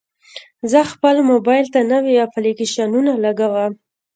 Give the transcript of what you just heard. زه خپل موبایل ته نوي اپلیکیشنونه لګوم.